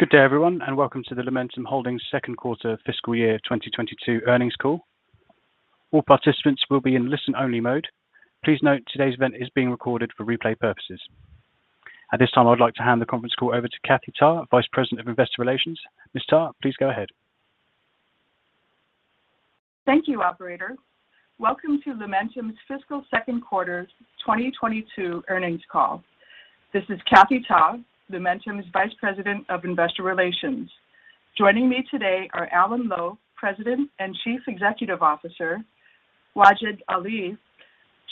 Good day, everyone, and welcome to the Lumentum Holdings Second Quarter Fiscal Year 2022 Earnings Call. All participants will be in listen only mode. Please note today's event is being recorded for replay purposes. At this time, I would like to hand the conference call over to Kathy Ta, Vice President of Investor Relations. Ms. Ta, please go ahead. Thank you, operator. Welcome to Lumentum's Fiscal Second Quarter 2022 Earnings Call. This is Kathy Ta, Lumentum's Vice President of Investor Relations. Joining me today are Alan Lowe, President and Chief Executive Officer, Wajid Ali,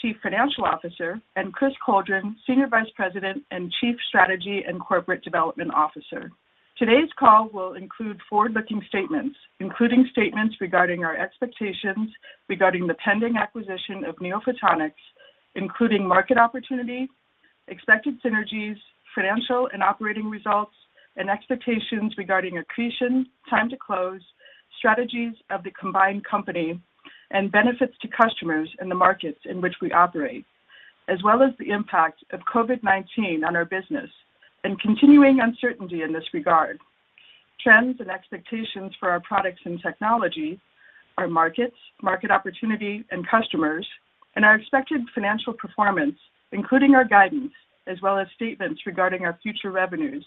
Chief Financial Officer, and Chris Coldren, Senior Vice President and Chief Strategy and Corporate Development Officer. Today's call will include forward-looking statements, including statements regarding our expectations regarding the pending acquisition of NeoPhotonics, including market opportunity, expected synergies, financial and operating results, and expectations regarding accretion, time to close, strategies of the combined company, and benefits to customers in the markets in which we operate, as well as the impact of COVID-19 on our business and continuing uncertainty in this regard, trends and expectations for our products and technology, our markets, market opportunity and customers, and our expected financial performance, including our guidance, as well as statements regarding our future revenues,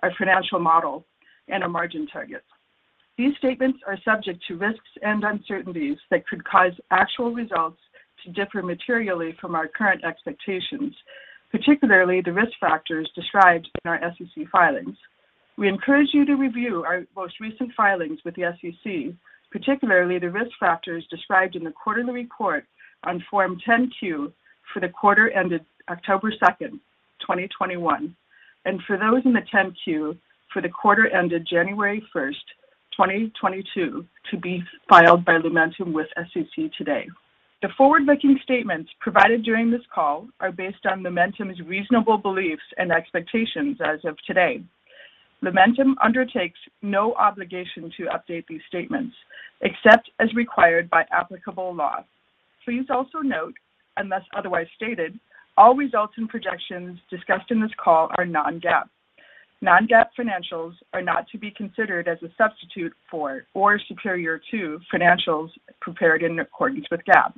our financial model, and our margin targets. These statements are subject to risks and uncertainties that could cause actual results to differ materially from our current expectations, particularly the risk factors described in our SEC filings. We encourage you to review our most recent filings with the SEC, particularly the risk factors described in the quarterly report on Form 10-Q for the quarter ended October 2, 2021, and for those in the 10-Q for the quarter ended January 1, 2022, to be filed by Lumentum with the SEC today. The forward-looking statements provided during this call are based on Lumentum's reasonable beliefs and expectations as of today. Lumentum undertakes no obligation to update these statements except as required by applicable law. Please also note, unless otherwise stated, all results and projections discussed in this call are non-GAAP. Non-GAAP financials are not to be considered as a substitute for or superior to financials prepared in accordance with GAAP.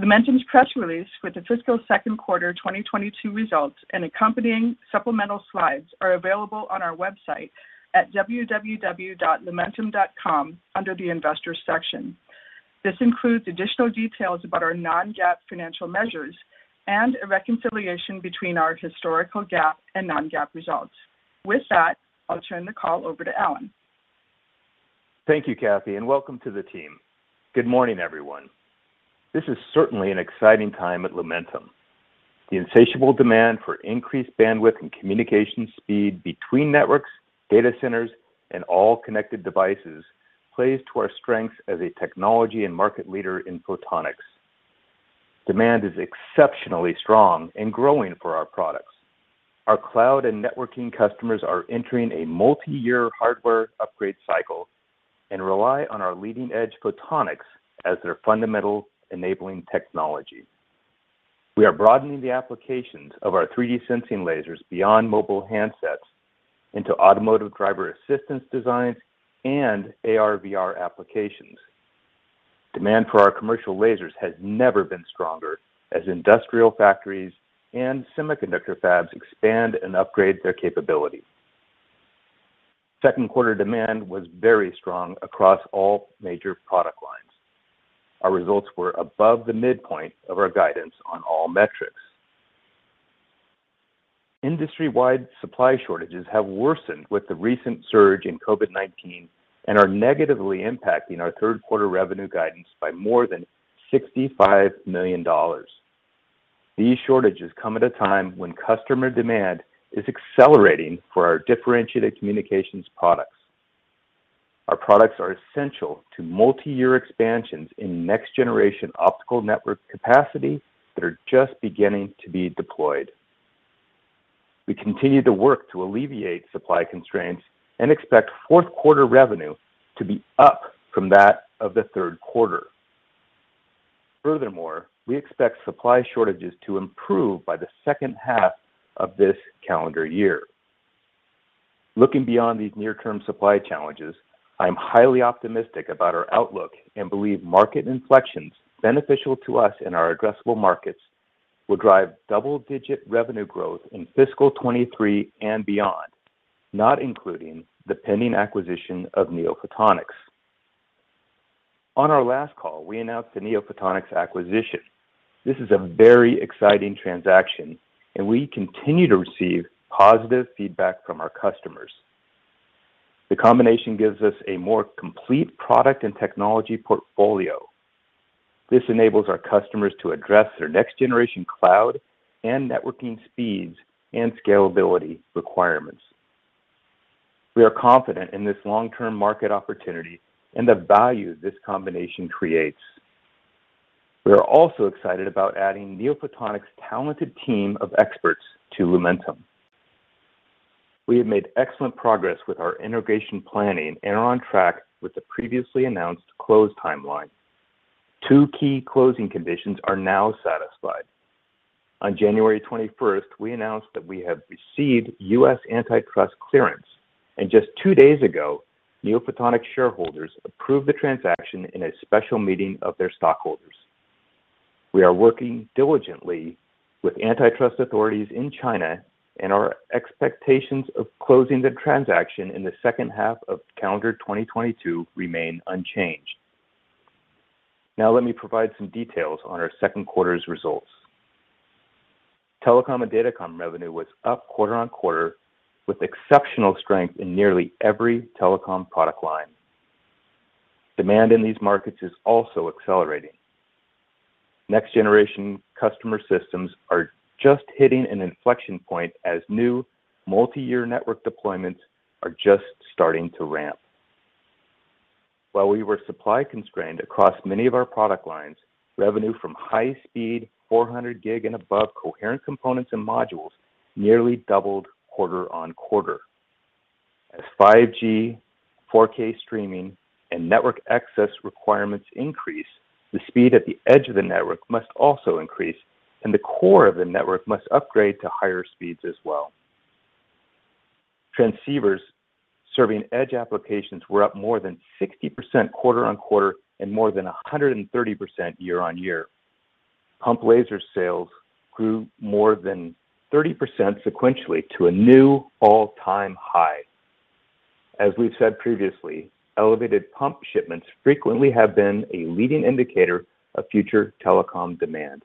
Lumentum's press release with the fiscal second quarter 2022 results and accompanying supplemental slides are available on our website at www.lumentum.com under the Investors section. This includes additional details about our non-GAAP financial measures and a reconciliation between our historical GAAP and non-GAAP results. With that, I'll turn the call over to Alan. Thank you, Kathy, and welcome to the team. Good morning, everyone. This is certainly an exciting time at Lumentum. The insatiable demand for increased bandwidth and communication speed between networks, data centers, and all connected devices plays to our strengths as a technology and market leader in photonics. Demand is exceptionally strong and growing for our products. Our cloud and networking customers are entering a multi-year hardware upgrade cycle and rely on our leading edge photonics as their fundamental enabling technology. We are broadening the applications of our 3D sensing lasers beyond mobile handsets into automotive driver assistance designs and AR/VR applications. Demand for our commercial lasers has never been stronger as industrial factories and semiconductor fabs expand and upgrade their capability. Second quarter demand was very strong across all major product lines. Our results were above the midpoint of our guidance on all metrics. Industry-wide supply shortages have worsened with the recent surge in COVID-19 and are negatively impacting our third quarter revenue guidance by more than $65 million. These shortages come at a time when customer demand is accelerating for our differentiated communications products. Our products are essential to multi-year expansions in next generation optical network capacity that are just beginning to be deployed. We continue to work to alleviate supply constraints and expect fourth quarter revenue to be up from that of the third quarter. Furthermore, we expect supply shortages to improve by the second half of this calendar year. Looking beyond these near-term supply challenges, I am highly optimistic about our outlook and believe market inflections beneficial to us in our addressable markets will drive double-digit revenue growth in fiscal 2023 and beyond, not including the pending acquisition of NeoPhotonics. On our last call, we announced the NeoPhotonics acquisition. This is a very exciting transaction, and we continue to receive positive feedback from our customers. The combination gives us a more complete product and technology portfolio. This enables our customers to address their next generation cloud and networking speeds and scalability requirements. We are confident in this long-term market opportunity and the value this combination creates. We are also excited about adding NeoPhotonics' talented team of experts to Lumentum. We have made excellent progress with our integration planning and are on track with the previously announced close timeline. Two key closing conditions are now satisfied. On January 21st, we announced that we have received U.S. antitrust clearance, and just two days ago, NeoPhotonics shareholders approved the transaction in a special meeting of their stockholders. We are working diligently with antitrust authorities in China, and our expectations of closing the transaction in the second half of calendar 2022 remain unchanged. Now let me provide some details on our second quarter's results. Telecom and Datacom revenue was up QoQ with exceptional strength in nearly every telecom product line. Demand in these markets is also accelerating. Next generation customer systems are just hitting an inflection point as new multi-year network deployments are just starting to ramp. While we were supply constrained across many of our product lines, revenue from high-speed 400 gig and above coherent components and modules nearly doubled QoQ. As 5G, 4K streaming, and network access requirements increase, the speed at the edge of the network must also increase, and the core of the network must upgrade to higher speeds as well. Transceivers serving edge applications were up more than 60% QoQ and more than 130% YoY. Pump laser sales grew more than 30% sequentially to a new all-time high. As we've said previously, elevated pump shipments frequently have been a leading indicator of future telecom demand.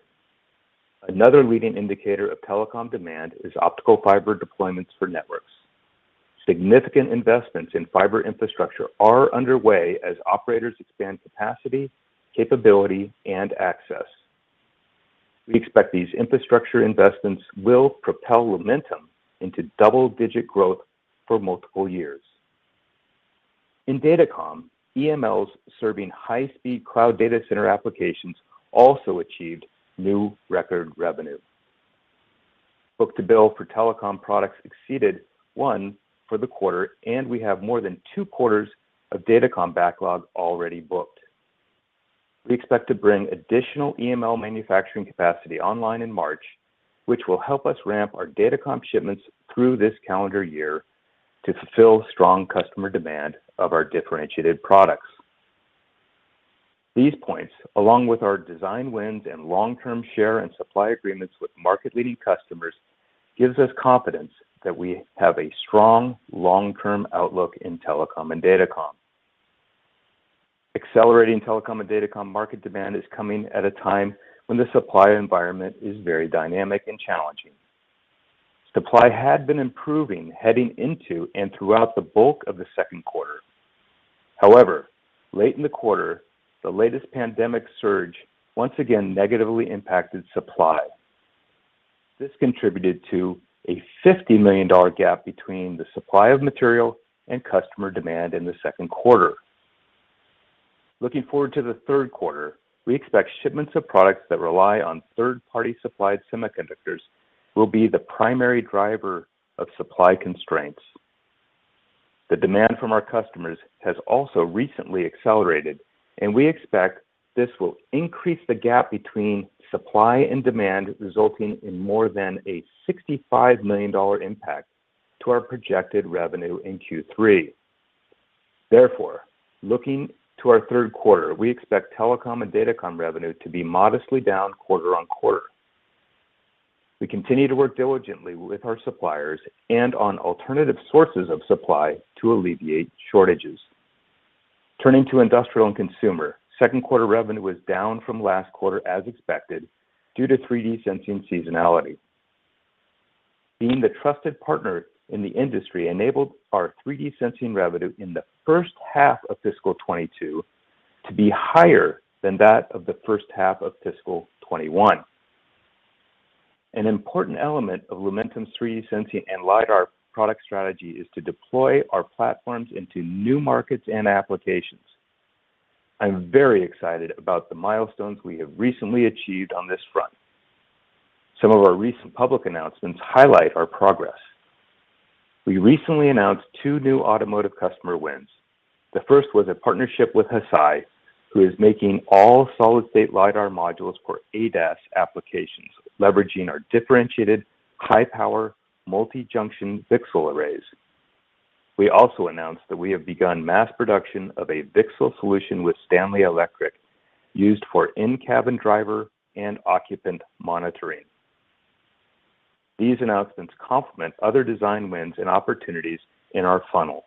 Another leading indicator of telecom demand is optical fiber deployments for networks. Significant investments in fiber infrastructure are underway as operators expand capacity, capability, and access. We expect these infrastructure investments will propel Lumentum into double-digit growth for multiple years. In Datacom, EMLs serving high-speed cloud data center applications also achieved new record revenue. Book-to-bill for telecom products exceeded one for the quarter, and we have more than two quarters of Datacom backlog already booked. We expect to bring additional EML manufacturing capacity online in March, which will help us ramp our Datacom shipments through this calendar year to fulfill strong customer demand of our differentiated products. These points, along with our design wins and long-term share and supply agreements with market-leading customers, gives us confidence that we have a strong long-term outlook in Telecom and Datacom. Accelerating Telecom and Datacom market demand is coming at a time when the supply environment is very dynamic and challenging. Supply had been improving heading into and throughout the bulk of the second quarter. However, late in the quarter, the latest pandemic surge once again negatively impacted supply. This contributed to a $50 million gap between the supply of material and customer demand in the second quarter. Looking forward to the third quarter, we expect shipments of products that rely on third-party supplied semiconductors will be the primary driver of supply constraints. The demand from our customers has also recently accelerated, and we expect this will increase the gap between supply and demand, resulting in more than $65 million impact to our projected revenue in Q3. Therefore, looking to our third quarter, we expect Telecom and Datacom revenue to be modestly down QoQ. We continue to work diligently with our suppliers and on alternative sources of supply to alleviate shortages. Turning to industrial and consumer, second quarter revenue was down from last quarter as expected due to 3D sensing seasonality. Being the trusted partner in the industry enabled our 3D sensing revenue in the first half of fiscal 2022 to be higher than that of the first half of fiscal 2021. An important element of Lumentum's 3D sensing and LiDAR product strategy is to deploy our platforms into new markets and applications. I'm very excited about the milestones we have recently achieved on this front. Some of our recent public announcements highlight our progress. We recently announced two new automotive customer wins. The first was a partnership with Hesai, who is making all solid-state LiDAR modules for ADAS applications, leveraging our differentiated high-power multi-junction VCSEL arrays. We also announced that we have begun mass production of a VCSEL solution with Stanley Electric used for in-cabin driver and occupant monitoring. These announcements complement other design wins and opportunities in our funnel.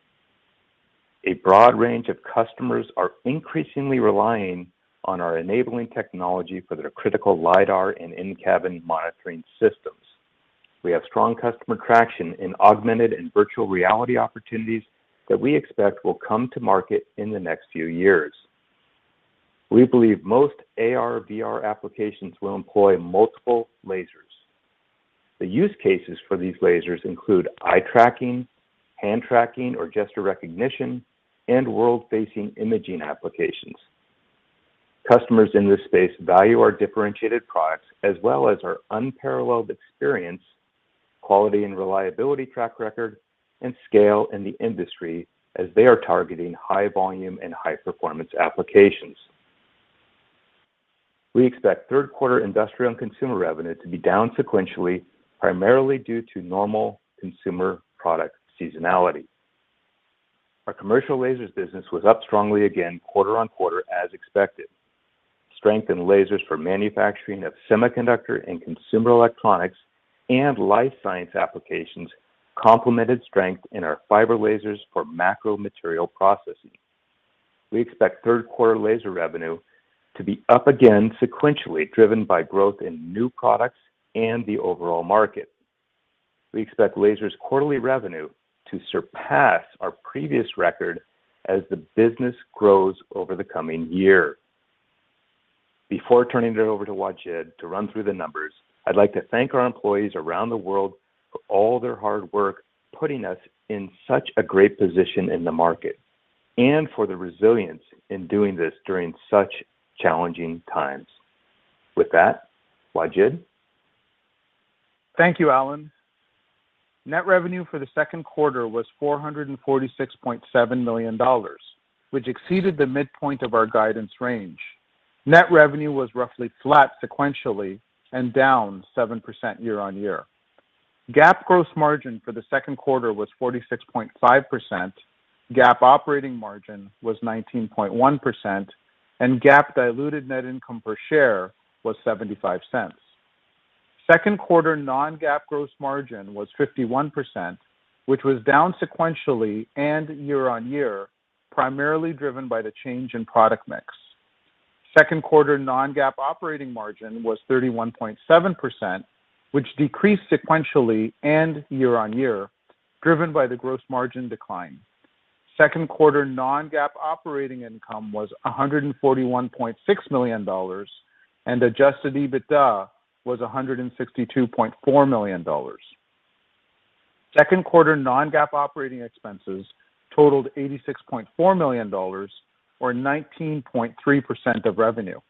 A broad range of customers are increasingly relying on our enabling technology for their critical LiDAR and in-cabin monitoring systems. We have strong customer traction in augmented and virtual reality opportunities that we expect will come to market in the next few years. We believe most AR/VR applications will employ multiple lasers. The use cases for these lasers include eye tracking, hand tracking or gesture recognition, and world-facing imaging applications. Customers in this space value our differentiated products as well as our unparalleled experience, quality and reliability track record and scale in the industry as they are targeting high volume and high performance applications. We expect third quarter industrial and consumer revenue to be down sequentially, primarily due to normal consumer product seasonality. Our commercial lasers business was up strongly again QoQ as expected. Strength in lasers for manufacturing of semiconductor and consumer electronics and life science applications complemented strength in our fiber lasers for macro material processing. We expect third quarter laser revenue to be up again sequentially, driven by growth in new products and the overall market. We expect lasers quarterly revenue to surpass our previous record as the business grows over the coming year. Before turning it over to Wajid to run through the numbers, I'd like to thank our employees around the world for all their hard work, putting us in such a great position in the market, and for the resilience in doing this during such challenging times. With that, Wajid. Thank you, Alan. Net revenue for the second quarter was $446.7 million, which exceeded the midpoint of our guidance range. Net revenue was roughly flat sequentially and down 7% YoY. GAAP gross margin for the second quarter was 46.5%, GAAP operating margin was 19.1%, and GAAP diluted net income per share was $0.75. Second quarter non-GAAP gross margin was 51%, which was down sequentially and YoY, primarily driven by the change in product mix. Second quarter non-GAAP operating margin was 31.7%, which decreased sequentially and YoY, driven by the gross margin decline. Second quarter non-GAAP operating income was $141.6 million, and Adjusted EBITDA was $162.4 million. Second quarter non-GAAP OpExs totaled $86.4 million or 19.3% of revenue.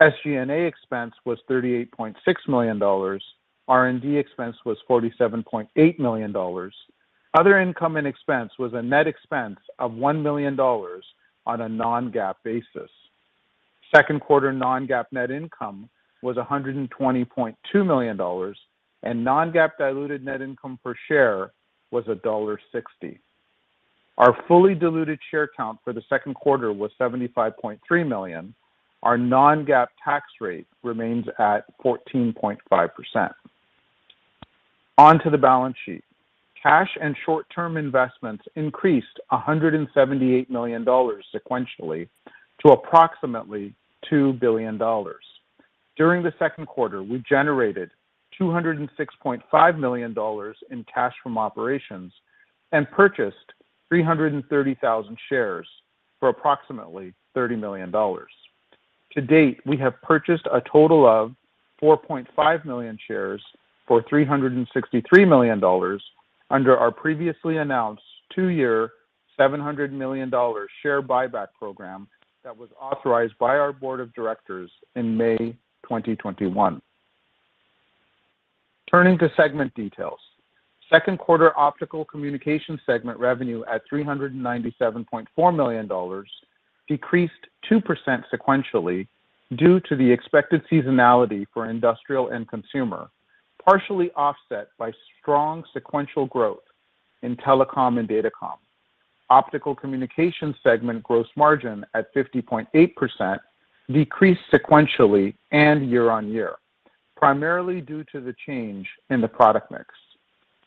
SG&A expense was $38.6 million. R&D expense was $47.8 million. Other income and expense was a net expense of $1 million on a non-GAAP basis. Second quarter non-GAAP net income was $120.2 million, and non-GAAP diluted net income per share was $1.60. Our fully diluted share count for the second quarter was 75.3 million. Our non-GAAP tax rate remains at 14.5%. On to the balance sheet. Cash and short-term investments increased $178 million sequentially to approximately $2 billion. During the second quarter, we generated $206.5 million in cash from operations and purchased 330,000 shares for approximately $30 million. To date, we have purchased a total of 4.5 million shares for $363 million under our previously announced two-year, $700 million share buyback program that was authorized by our board of directors in May 2021. Turning to segment details. Second quarter optical communication segment revenue at $397.4 million decreased 2% sequentially due to the expected seasonality for industrial and consumer, partially offset by strong sequential growth in telecom and datacom. Optical communication segment gross margin at 50.8% decreased sequentially and YoY, primarily due to the change in the product mix.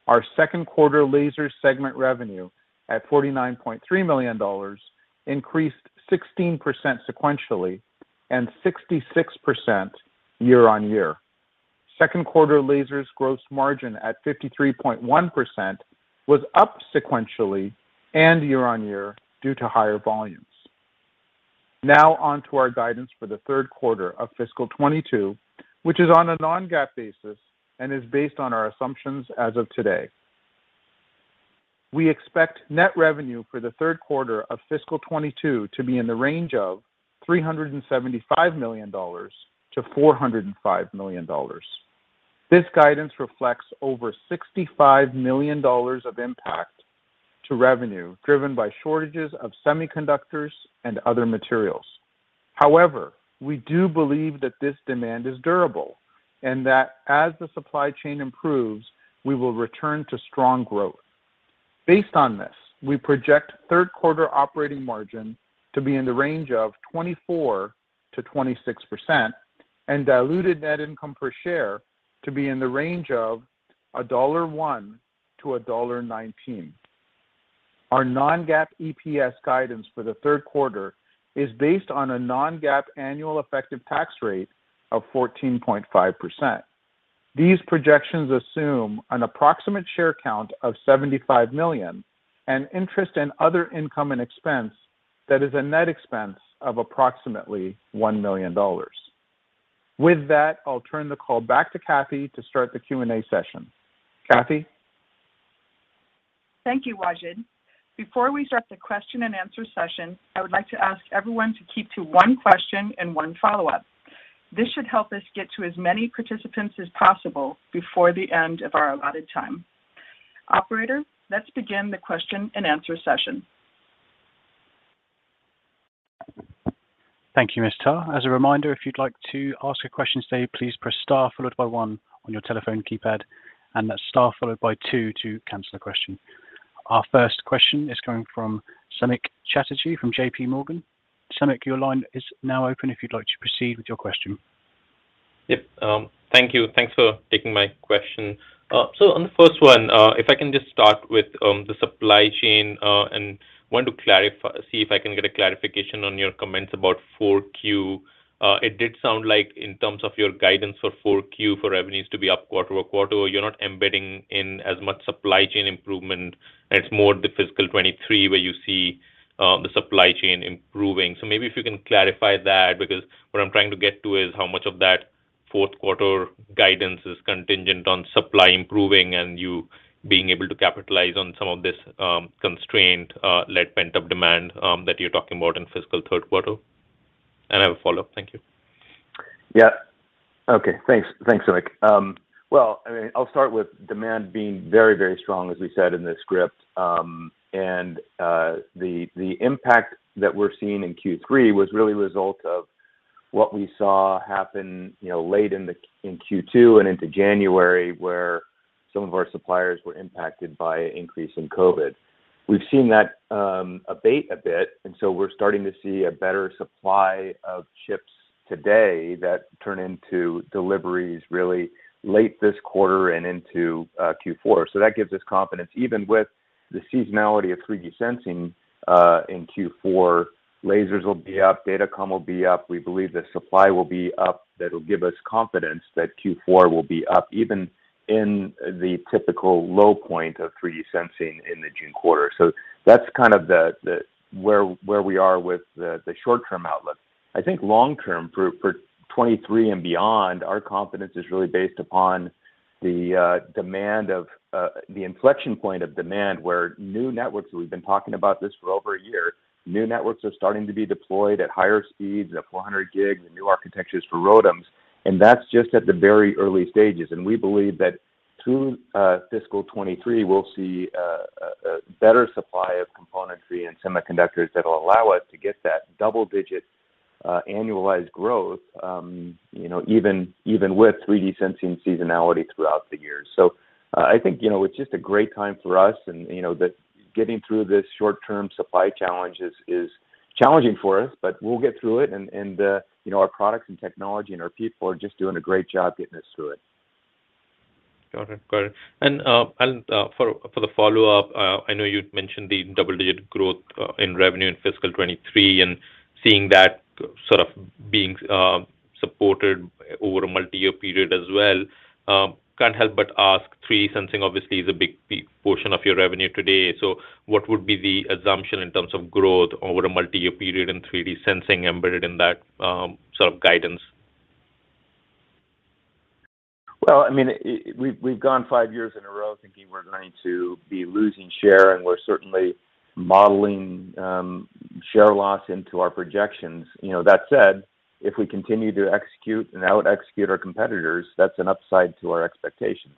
Our second quarter laser segment revenue at $49.3 million increased 16% sequentially and 66% YoY. Second quarter lasers gross margin at 53.1% was up sequentially and YoY due to higher volumes. Now on to our guidance for the third quarter of fiscal 2022, which is on a non-GAAP basis and is based on our assumptions as of today. We expect net revenue for the third quarter of fiscal 2022 to be in the range of $375 million-$405 million. This guidance reflects over $65 million of impact to revenue, driven by shortages of semiconductors and other materials. However, we do believe that this demand is durable and that as the supply chain improves, we will return to strong growth. Based on this, we project third quarter operating margin to be in the range of 24%-26% and diluted net income per share to be in the range of $1.01 million-$1.19 million. Our non-GAAP EPS guidance for the third quarter is based on a non-GAAP annual effective tax rate of 14.5%. These projections assume an approximate share count of 75 million and interest and other income and expense that is a net expense of approximately $1 million. With that, I'll turn the call back to Kathy to start the Q&A session. Kathy? Thank you, Wajid. Before we start the Q&A session, I would like to ask everyone to keep to one question and one follow-up. This should help us get to as many participants as possible before the end of our allotted time. Operator, let's begin the Q&A session. Thank you, Ms. Ta. As a reminder, if you'd like to ask a question today, please press star followed by one on your telephone keypad, and then star followed by two to cancel a question. Our first question is coming from Samik Chatterjee from JPMorgan. Samik, your line is now open if you'd like to proceed with your question. Yep. Thank you. Thanks for taking my question. So on the first one, if I can just start with the supply chain, and see if I can get a clarification on your comments about 4Q. It did sound like in terms of your guidance for 4Q for revenues to be up QoQ, you're not embedding in as much supply chain improvement, and it's more the fiscal 2023 where you see the supply chain improving. So maybe if you can clarify that because what I'm trying to get to is how much of that fourth quarter guidance is contingent on supply improving and you being able to capitalize on some of this constraint-led pent-up demand that you're talking about in fiscal third quarter. I have a follow-up. Thank you. Yeah. Okay, thanks. Thanks, Samik. Well, I mean, I'll start with demand being very, very strong, as we said in the script. The impact that we're seeing in Q3 was really a result of what we saw happen, you know, late in Q2 and into January, where some of our suppliers were impacted by increase in COVID. We've seen that abate a bit, and so we're starting to see a better supply of chips today that turn into deliveries really late this quarter and into Q4. That gives us confidence. Even with the seasonality of 3D sensing in Q4, lasers will be up, data comm will be up. We believe the supply will be up. That'll give us confidence that Q4 will be up, even in the typical low point of 3D sensing in the June quarter. That's kind of where we are with the short-term outlook. I think long-term for 2023 and beyond, our confidence is really based upon the demand of the inflection point of demand, where new networks, we've been talking about this for over a year, new networks are starting to be deployed at higher speeds, at 400 gigs and new architectures for ROADMs, and that's just at the very early stages. We believe that through fiscal 2023, we'll see a better supply of componentry and semiconductors that'll allow us to get that double-digit annualized growth, you know, even with 3D sensing seasonality throughout the year. I think, you know, it's just a great time for us and, you know, the getting through this short-term supply challenge is challenging for us, but we'll get through it and, you know, our products and technology and our people are just doing a great job getting us through it. Got it. For the follow-up, I know you'd mentioned the double-digit growth in revenue in fiscal 2023 and seeing that sort of being supported over a multi-year period as well. Can't help but ask, 3D sensing obviously is a big, big portion of your revenue today. What would be the assumption in terms of growth over a multi-year period in 3D sensing embedded in that sort of guidance? Well, I mean, we've gone five years in a row thinking we're going to be losing share, and we're certainly modeling share loss into our projections. You know, that said, if we continue to execute and out execute our competitors, that's an upside to our expectations.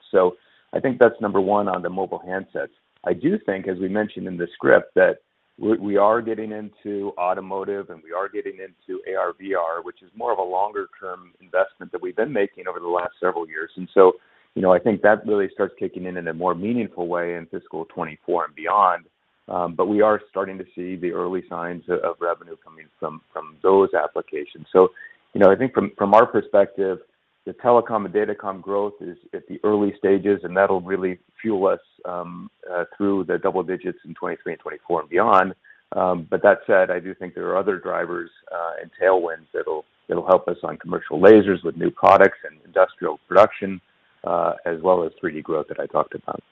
I think that's number one on the mobile handsets. I do think, as we mentioned in the script, that we are getting into automotive, and we are getting into AR/VR, which is more of a longer-term investment that we've been making over the last several years. You know, I think that really starts kicking in in a more meaningful way in fiscal 2024 and beyond. But we are starting to see the early signs of revenue coming from those applications. You know, I think from our perspective, the telecom and datacom growth is at the early stages, and that'll really fuel us through the double digits in 2023 and 2024 and beyond. That said, I do think there are other drivers and tailwinds that'll help us on commercial lasers with new products and industrial production, as well as 3D growth that I talked about.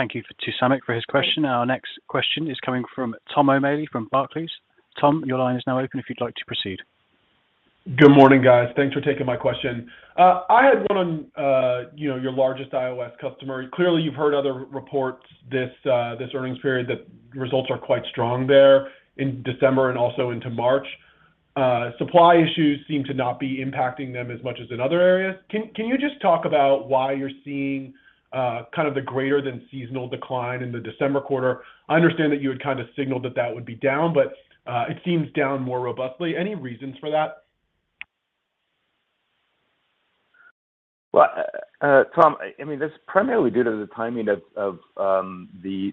Thank you to Samik for his question. Our next question is coming from Thomas O'Malley from Barclays. Tom, your line is now open if you'd like to proceed. Good morning, guys. Thanks for taking my question. I had one on, you know, your largest iOS customer. Clearly, you've heard other reports this earnings period that results are quite strong there in December and also into March. Supply issues seem to not be impacting them as much as in other areas. Can you just talk about why you're seeing, kind of the greater than seasonal decline in the December quarter? I understand that you had kind of signaled that that would be down, but it seems down more robustly. Any reasons for that? Well, Tom, I mean, this is primarily due to the timing of the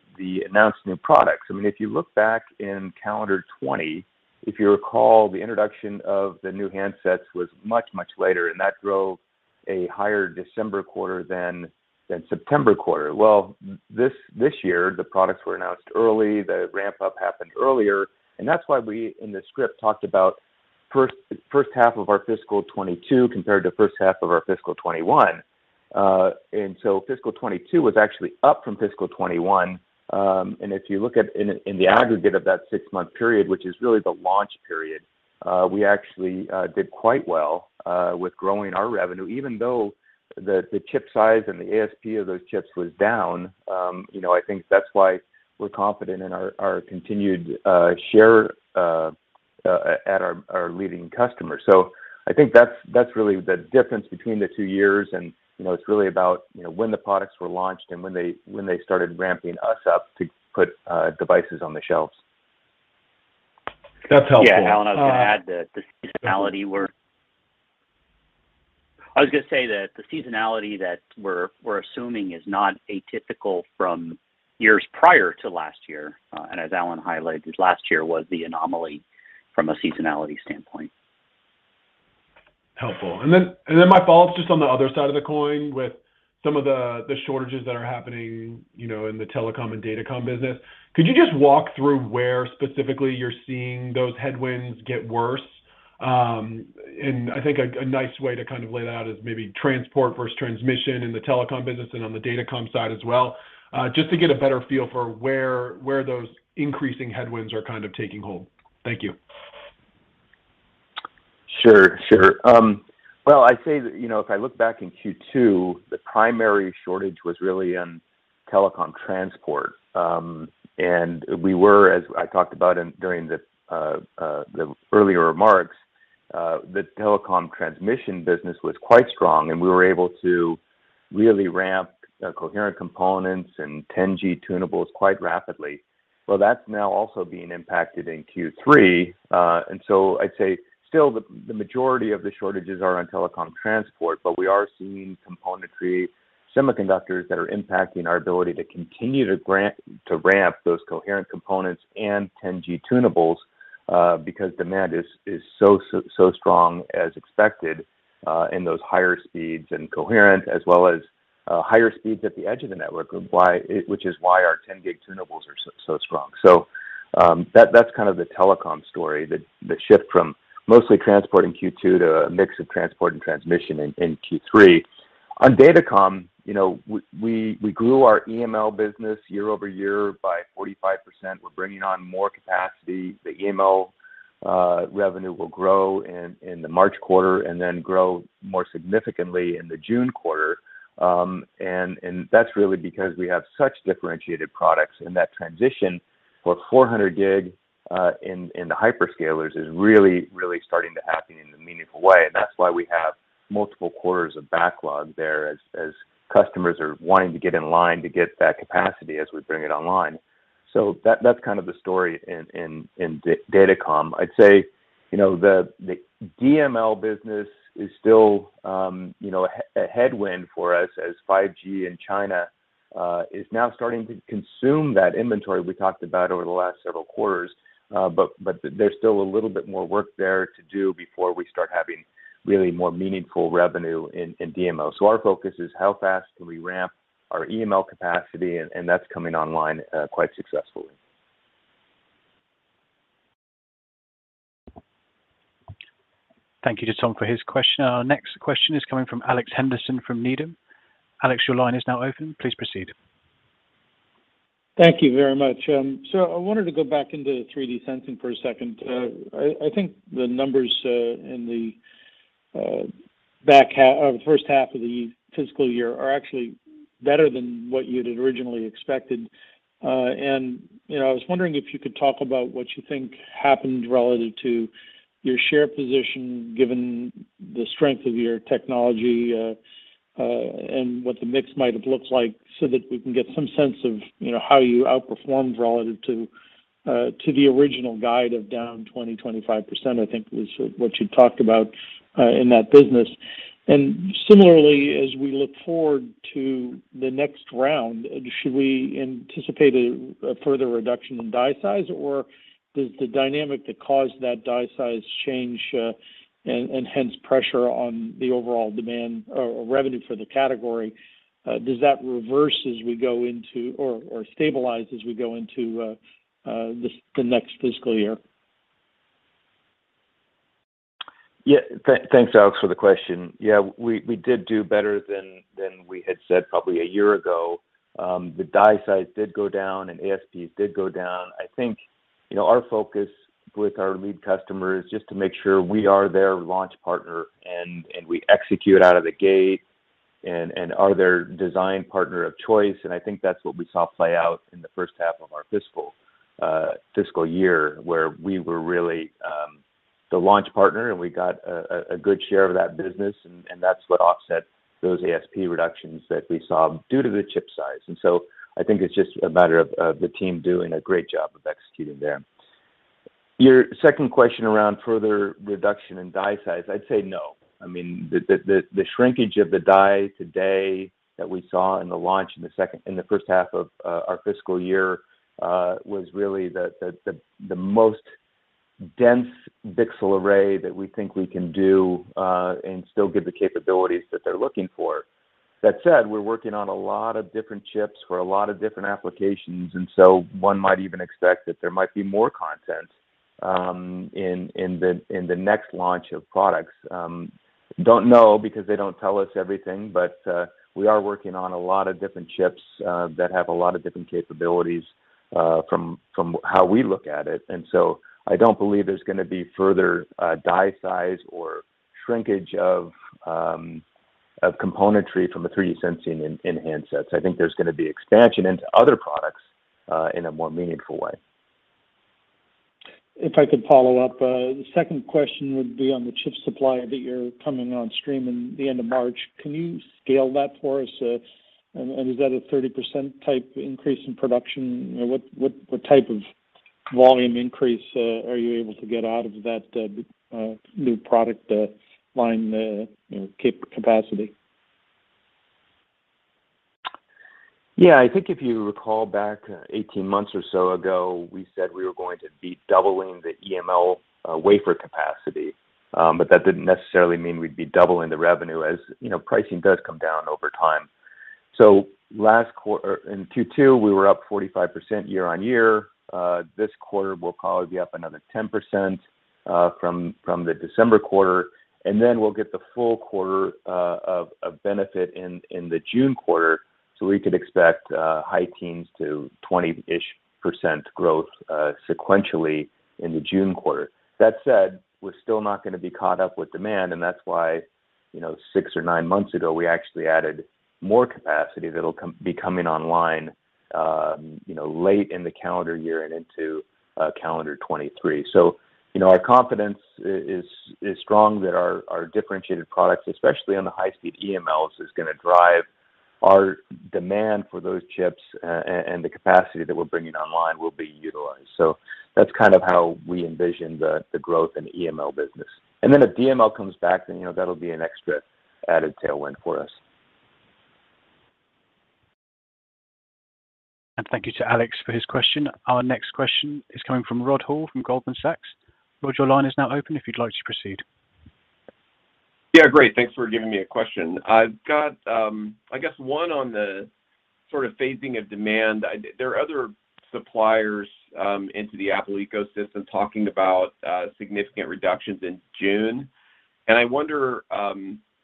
announced new products. I mean, if you look back in calendar 2020, if you recall, the introduction of the new handsets was much later, and that drove a higher December quarter than September quarter. Well, this year, the products were announced early. The ramp-up happened earlier. That's why we, in the script, talked about first half of our fiscal 2022 compared to first half of our fiscal 2021. Fiscal 2022 was actually up from fiscal 2021. If you look at the aggregate of that six-month period, which is really the launch period, we actually did quite well with growing our revenue, even though the chip size and the ASP of those chips was down. You know, I think that's why we're confident in our continued share at our leading customer. I think that's really the difference between the two years and, you know, it's really about, you know, when the products were launched and when they started ramping us up to put devices on the shelves. That's helpful. Yeah, Alan, I was gonna say that the seasonality that we're assuming is not atypical from years prior to last year, and as Alan highlighted, last year was the anomaly from a seasonality standpoint. Helpful. My follow-up's just on the other side of the coin with some of the shortages that are happening, you know, in the telecom and datacom business. Could you just walk through where specifically you're seeing those headwinds get worse? I think a nice way to kind of lay that out is maybe transport versus transmission in the telecom business and on the datacom side as well, just to get a better feel for where those increasing headwinds are kind of taking hold. Thank you. Sure, sure. Well, I'd say that, you know, if I look back in Q2, the primary shortage was really in telecom transport. As I talked about during the earlier remarks, the telecom transmission business was quite strong, and we were able to really ramp coherent components and 10G tunables quite rapidly. Well, that's now also being impacted in Q3. I'd say still the majority of the shortages are on telecom transport, but we are seeing componentry semiconductors that are impacting our ability to continue to ramp those coherent components and 10G tunables, because demand is so strong as expected in those higher speeds and coherent, as well as higher speeds at the edge of the network which is why our 10G tunables are so strong. That's kind of the telecom story, the shift from mostly transport in Q2 to a mix of transport and transmission in Q3. On datacom, we grew our EML business YoY by 45%. We're bringing on more capacity. The EML revenue will grow in the March quarter and then grow more significantly in the June quarter. That's really because we have such differentiated products in that transition for 400 gig in the hyperscalers is really starting to happen in a meaningful way. That's why we have multiple quarters of backlog there as customers are wanting to get in line to get that capacity as we bring it online. That's kind of the story in datacom. I'd say, you know, the DML business is still, you know, a headwind for us as 5G in China is now starting to consume that inventory we talked about over the last several quarters. There's still a little bit more work there to do before we start having really more meaningful revenue in DML. Our focus is how fast can we ramp our EML capacity, and that's coming online quite successfully. Thank you to Tom for his question. Our next question is coming from Alex Henderson from Needham. Alex, your line is now open. Please proceed. Thank you very much. I wanted to go back into 3D sensing for a second. I think the numbers in the back half or the first half of the fiscal year are actually better than what you'd originally expected. You know, I was wondering if you could talk about what you think happened relative to your share position, given the strength of your technology, and what the mix might have looked like so that we can get some sense of, you know, how you outperformed relative to the original guide of down 20%-25%, I think was what you talked about in that business. Similarly, as we look forward to the next round, should we anticipate a further reduction in die size, or does the dynamic that caused that die size change enhance pressure on the overall demand or revenue for the category, does that reverse as we go into or stabilize as we go into the next fiscal year? Yeah. Thanks, Alex, for the question. Yeah. We did do better than we had said probably a year ago. The die size did go down, and ASPs did go down. I think, you know, our focus with our lead customer is just to make sure we are their launch partner and we execute out of the gate and are their design partner of choice. I think that's what we saw play out in the first half of our fiscal year, where we were really the launch partner, and we got a good share of that business, and that's what offset those ASP reductions that we saw due to the chip size. I think it's just a matter of the team doing a great job of executing there. Your second question around further reduction in die size, I'd say no. I mean, the shrinkage of the die today that we saw in the launch in the first half of our fiscal year was really the most dense VCSEL array that we think we can do and still get the capabilities that they're looking for. That said, we're working on a lot of different chips for a lot of different applications, and so one might even expect that there might be more content in the next launch of products. Don't know because they don't tell us everything. We are working on a lot of different chips that have a lot of different capabilities from how we look at it. I don't believe there's gonna be further die size or shrinkage of componentry from a 3D sensing in handsets. I think there's gonna be expansion into other products in a more meaningful way. If I could follow up. The second question would be on the chip supply that you're coming on stream in the end of March. Can you scale that for us? Is that a 30% type increase in production? You know, what type of volume increase are you able to get out of that new production line capacity? I think if you recall back 18 months or so ago, we said we were going to be doubling the EML wafer capacity. But that didn't necessarily mean we'd be doubling the revenue as, you know, pricing does come down over time. In 2022, we were up 45% YoY. This quarter we'll probably be up another 10% from the December quarter, and then we'll get the full quarter of benefit in the June quarter, so we could expect high teens to 20-ish% growth sequentially in the June quarter. That said, we're still not gonna be caught up with demand, and that's why, you know, six or nine months ago, we actually added more capacity that'll be coming online, you know, late in the calendar year and into calendar 2023. Our confidence is strong that our differentiated products, especially on the high speed EMLs, is gonna drive our demand for those chips, and the capacity that we're bringing online will be utilized. That's kind of how we envision the growth in the EML business. If DML comes back, then, you know, that'll be an extra added tailwind for us. Thank you to Alex for his question. Our next question is coming from Rod Hall from Goldman Sachs. Rod, your line is now open if you'd like to proceed. Yeah, great. Thanks for giving me a question. I've got, I guess one on the sort of phasing of demand. There are other suppliers into the Apple ecosystem talking about significant reductions in June. I wonder,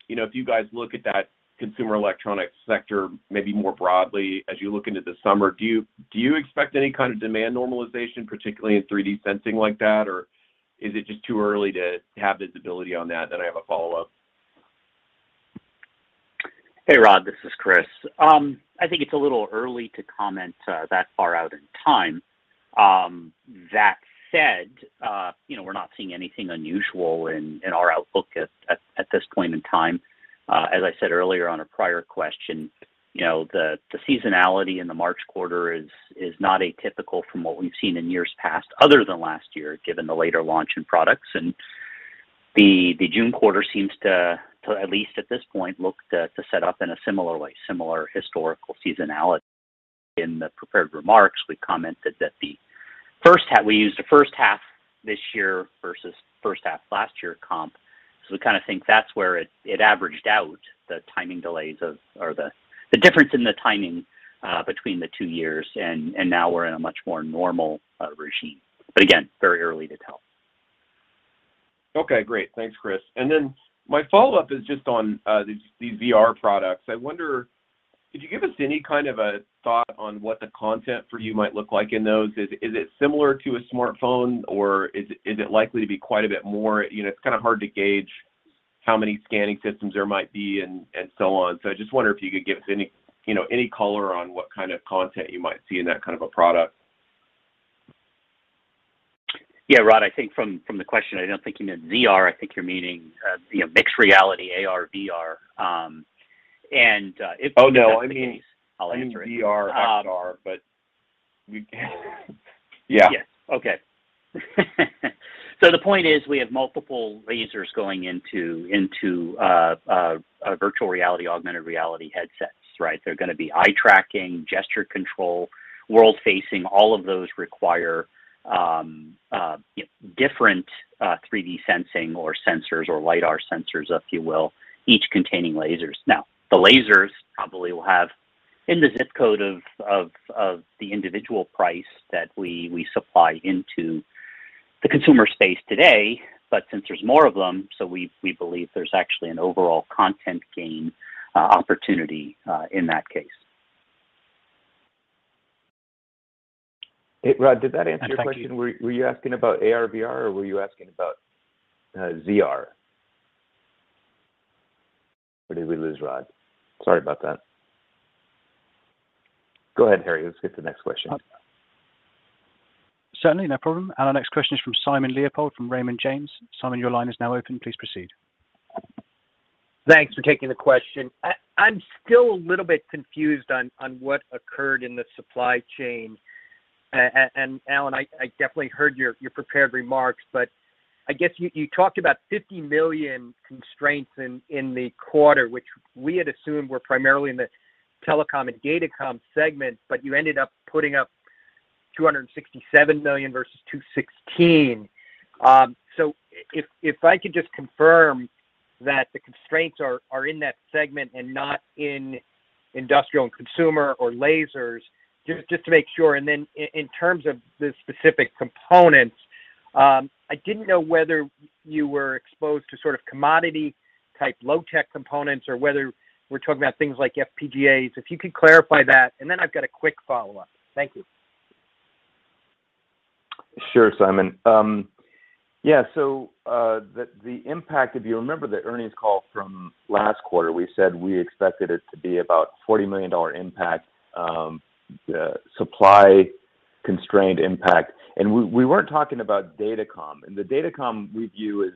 you know, if you guys look at that consumer electronics sector maybe more broadly as you look into the summer, do you expect any kind of demand normalization, particularly in 3D sensing like that? Or is it just too early to have visibility on that? Then I have a follow-up. Hey, Rod. This is Chris. I think it's a little early to comment that far out in time. That said, you know, we're not seeing anything unusual in our outlook at this point in time. As I said earlier on a prior question, you know, the seasonality in the March quarter is not atypical from what we've seen in years past other than last year, given the later launch in products. The June quarter seems to at least at this point look to set up in a similar way, similar historical seasonality. In the prepared remarks, we commented that we used the first half this year versus first half last year comp, so we kinda think that's where it averaged out the timing delays of, or the difference in the timing between the two years, and now we're in a much more normal regime. Again, very early to tell. Okay, great. Thanks, Chris. Then my follow-up is just on these VR products. I wonder, could you give us any kind of a thought on what the content for you might look like in those? Is it similar to a smartphone or is it likely to be quite a bit more? You know, it's kinda hard to gauge how many scanning systems there might be and so on. So I just wonder if you could give us any, you know, any color on what kind of content you might see in that kind of a product. Yeah. Rod, I think from the question, I don't think you meant VR. I think you're meaning, you know, mixed reality, ARVR. If- Oh, no. That's the case, I'll answer it. I mean VR, AR, but we yeah. Yes. Okay. The point is we have multiple lasers going into virtual reality, augmented reality headsets, right? They're gonna be eye tracking, gesture control, world-facing. All of those require you know, different 3D sensing or sensors or LiDAR sensors, if you will, each containing lasers. Now, the lasers probably will have in the ZIP Code of the individual price that we supply into the consumer space today, but since there's more of them, we believe there's actually an overall content gain opportunity in that case. Hey, Rod, did that answer your question? Thank you. Were you asking about ARVR or were you asking about ZR? Or did we lose Rod? Sorry about that. Go ahead, Harry. Let's get the next question. Certainly. No problem. Our next question is from Simon Leopold from Raymond James. Simon, your line is now open. Please proceed. Thanks for taking the question. I'm still a little bit confused on what occurred in the supply chain. Alan, I definitely heard your prepared remarks, but I guess you talked about $50 million constraints in the quarter, which we had assumed were primarily in the telecom and datacom segments, but you ended up putting up $267 million versus $216. If I could just confirm that the constraints are in that segment and not in industrial and consumer or lasers, just to make sure. In terms of the specific components, I didn't know whether you were exposed to sort of commodity-type low-tech components or whether we're talking about things like FPGAs. If you could clarify that, and then I've got a quick follow-up. Thank you. Sure, Simon. Yeah, so the impact, if you remember the earnings call from last quarter, we said we expected it to be about $40 million impact, the supply constraint impact. We weren't talking about datacom. The datacom we view as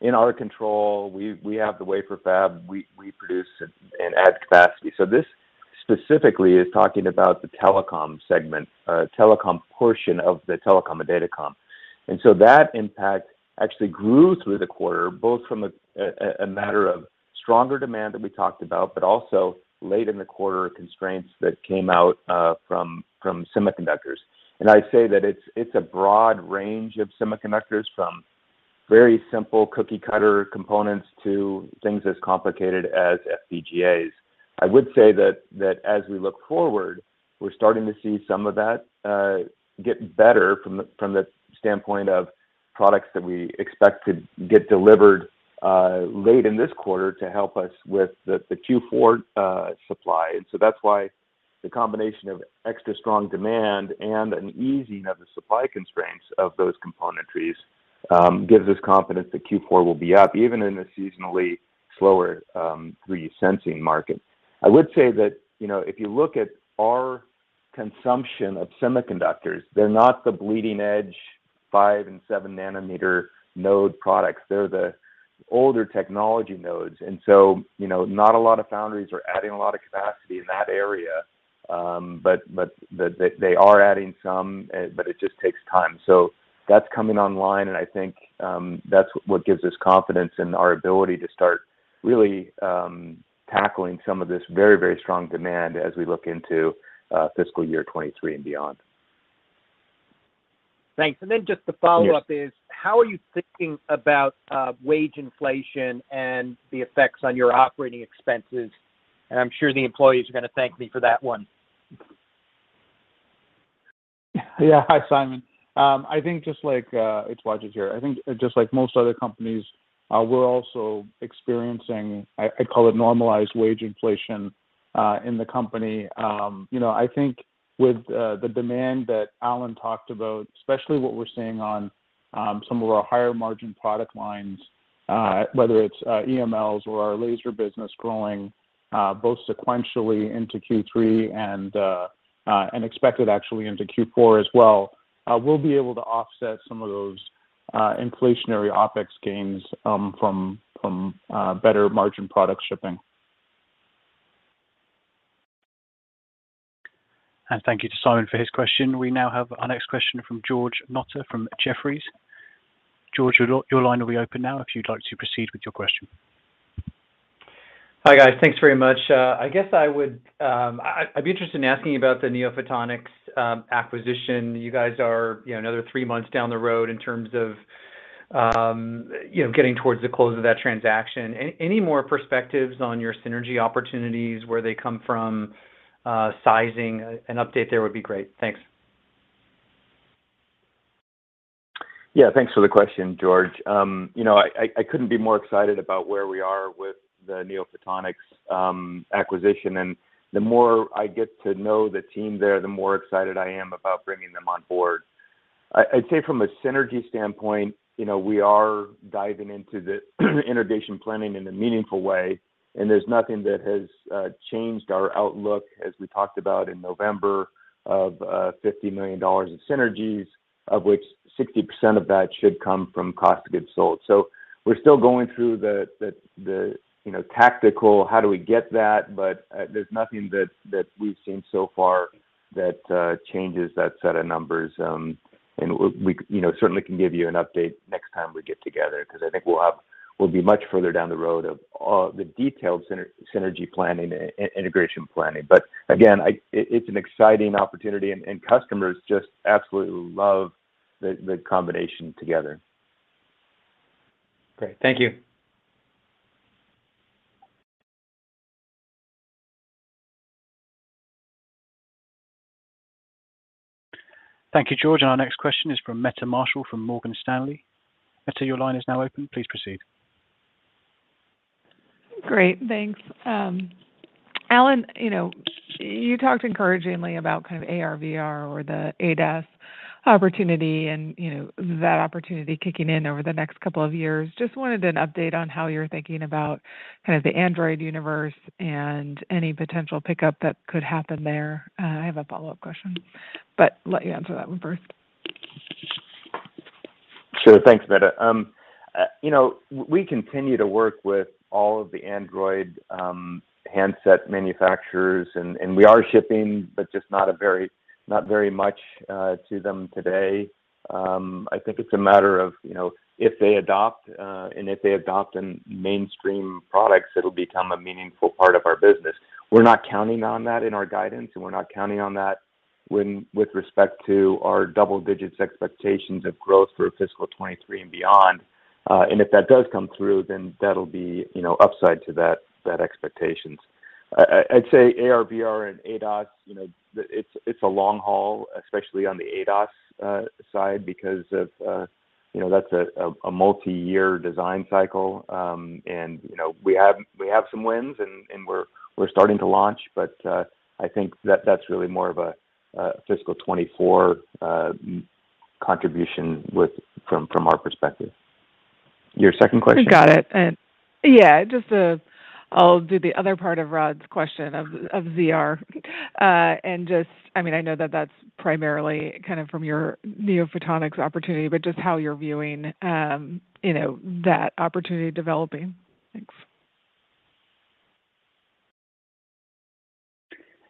in our control. We have the wafer fab, we produce and add capacity. This specifically is talking about the telecom segment, telecom portion of the telecom and datacom. That impact actually grew through the quarter, both from a matter of stronger demand that we talked about, but also late in the quarter constraints that came out, from semiconductors. I'd say that it's a broad range of semiconductors, from very simple cookie cutter components to things as complicated as FPGAs. I would say that as we look forward, we're starting to see some of that get better from the standpoint of products that we expect to get delivered late in this quarter to help us with the Q4 supply. That's why the combination of extra strong demand and an easing of the supply constraints of those components gives us confidence that Q4 will be up, even in a seasonally slower 3D sensing market. I would say that, you know, if you look at our consumption of semiconductors, they're not the bleeding-edge 5- and 7-nanometer node products. They're the older technology nodes. You know, not a lot of foundries are adding a lot of capacity in that area. But they are adding some, but it just takes time. That's coming online, and I think that's what gives us confidence in our ability to start really tackling some of this very, very strong demand as we look into fiscal year 2023 and beyond. Thanks. Just the follow-up. Yes How are you thinking about, wage inflation and the effects on your OpExs? I'm sure the employees are gonna thank me for that one. Yeah. Hi, Simon. It's Wajid here. I think just like most other companies, we're also experiencing, I call it normalized wage inflation, in the company. You know, I think with the demand that Alan talked about, especially what we're seeing on some of our higher margin product lines, whether it's EMLs or our laser business growing, both sequentially into Q3 and expected actually into Q4 as well, we'll be able to offset some of those inflationary OpEx gains from better margin product shipping. Thank you to Simon for his question. We now have our next question from George Notter from Jefferies. George, your line will be open now if you'd like to proceed with your question. Hi, guys. Thanks very much. I'd be interested in asking about the NeoPhotonics acquisition. You guys are, you know, another three months down the road in terms of, you know, getting towards the close of that transaction. Any more perspectives on your synergy opportunities, where they come from, sizing, an update there would be great. Thanks. Yeah. Thanks for the question, George. You know, I couldn't be more excited about where we are with the NeoPhotonics acquisition, and the more I get to know the team there, the more excited I am about bringing them on board. I'd say from a synergy standpoint, you know, we are diving into the integration planning in a meaningful way, and there's nothing that has changed our outlook as we talked about in November of $50 million in synergies, of which 60% of that should come from cost of goods sold. We're still going through the tactical how do we get that, but there's nothing that we've seen so far that changes that set of numbers. We you know certainly can give you an update next time we get together because I think we'll be much further down the road of all the detailed synergy planning and integration planning. Again, it's an exciting opportunity, and customers just absolutely love the combination together. Great. Thank you. Thank you, George. Our next question is from Meta Marshall from Morgan Stanley. Meta, your line is now open. Please proceed. Great. Thanks. Alan, you know, you talked encouragingly about kind of ARVR or the ADAS opportunity and, you know, that opportunity kicking in over the next couple of years. Just wanted an update on how you're thinking about kind of the Android universe and any potential pickup that could happen there. I have a follow-up question, but let you answer that one first. Sure. Thanks, Meta. You know, we continue to work with all of the Android handset manufacturers and we are shipping, but just not very much to them today. I think it's a matter of, you know, if they adopt and if they adopt in mainstream products, it'll become a meaningful part of our business. We're not counting on that in our guidance, and we're not counting on that when with respect to our double digits expectations of growth through fiscal 2023 and beyond. And if that does come through, then that'll be, you know, upside to that expectations. I'd say AR/VR and ADAS, you know, it's a long haul, especially on the ADAS side because of, you know, that's a multi-year design cycle. You know, we have some wins and we're starting to launch. I think that's really more of a fiscal 2024 contribution from our perspective. Your second question? Got it. Yeah, just I'll do the other part of Rod's question of ZR. I mean, I know that that's primarily kind of from your NeoPhotonics opportunity, but just how you're viewing, you know, that opportunity developing. Thanks.